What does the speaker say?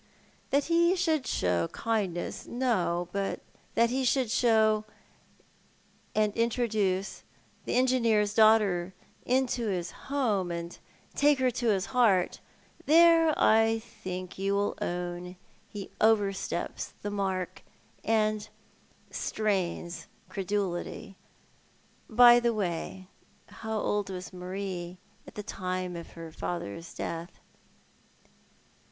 "That he should show kindness, no; but that he should introduce the engineer's daughter into his home and take her to his heart, — there I think you will own ho oversteps the mark, and strains credulity. By the way, how old was Marie at the time of her father's death